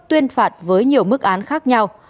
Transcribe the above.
tuyên phạt với nhiều mức án khác nhau